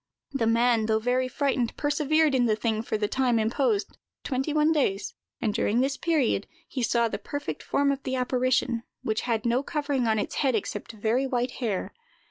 The man, though very frightened, persevered in the thing for the time imposed, twenty one days; and during this period he saw the perfect form of the apparition, which had no covering on its head except very white hair.